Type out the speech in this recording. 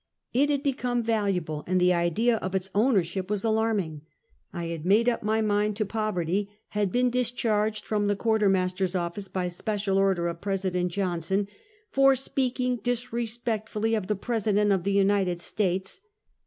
It had become valuable and the idea of its owner ship was alarming! I had made up my mind to poverty, had been discharged from the Quarter Mas ter's office by special order of President Johnson, " for speaking disrespectfully of the President of the United States!"